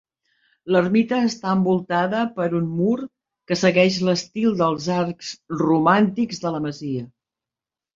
L'ermita està envoltada per un mur que segueix l'estil dels arcs romàntics de la masia.